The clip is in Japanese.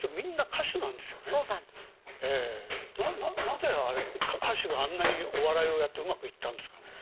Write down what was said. なぜあれ歌手があんなにお笑いをやってうまくいったんですかね？